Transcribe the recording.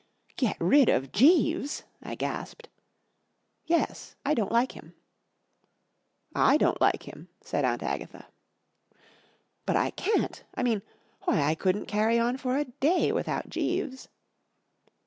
" Get rid of Jeeves !" 1 gasped, ■: Yes, I don't like him." '/ don't like him*" said Aunt Agatha. 4t But I can't. 1 mean—why, 1 couldn't carry on for a day without Jeeves."